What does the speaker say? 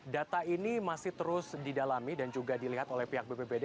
data ini masih terus didalami dan juga dilihat oleh pihak bpbd